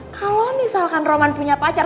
kalau misalkan roman punya pacar